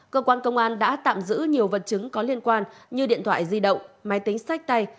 cơ quan công an đã tạm giữ nhiều vật chứng có liên quan như điện thoại di động máy tính sách tay